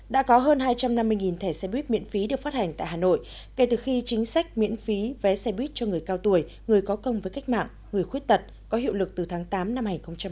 đã có hơn hai trăm năm mươi thẻ xe buýt miễn phí được phát hành tại hà nội kể từ khi chính sách miễn phí vé xe buýt cho người cao tuổi người có công với cách mạng người khuyết tật có hiệu lực từ tháng tám năm hai nghìn một mươi chín